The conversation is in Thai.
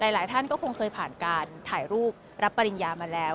หลายท่านก็คงเคยผ่านการถ่ายรูปรับปริญญามาแล้ว